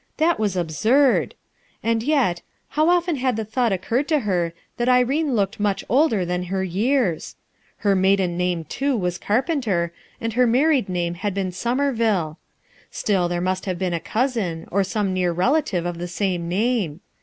That wag absurd ! And yet — how often had the thought oc curred to her that Irene looked much older than her years I Her maiden name, too, was Car penter, and her married name had been Somer ville. Still, there must have l>cen a cousin, or gome near relative of the same name.